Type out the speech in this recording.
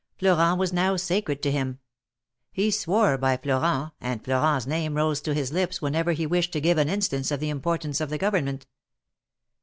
Florent was now sacred to him. He swore by Florent, THE MAEKETS OF PAEIS. 87 and Florent's name rose to his lips whenever he wished to give an instance of the importance of the Government.